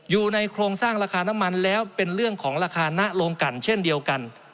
อยู่ในโครงสร้างราคาน้ำมันแล้วเป็นเรื่องของราคาหน้าโรงกันเช่นเดียวกัน